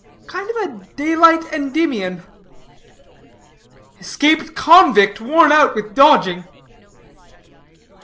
"Kind of daylight Endymion." "Escaped convict, worn out with dodging."